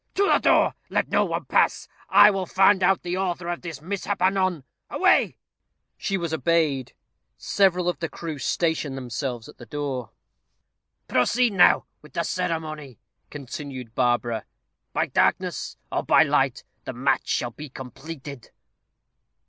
to the door! Let no one pass, I will find out the author of this mishap anon. Away!" She was obeyed. Several of the crew stationed themselves at the door. "Proceed now with the ceremony," continued Barbara. "By darkness, or by light, the match shall be completed."